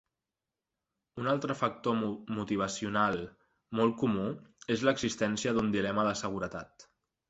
Un altre factor motivacional molt comú és l"existència d"un dilema de seguretat.